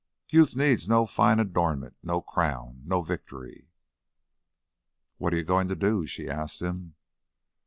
Youth needs no fine adornment, no crown, no victory." "What you goin' to do?" she asked him.